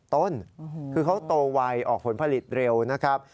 ต้นคือเขาโตไวออกผลผลิตเร็วนะครับ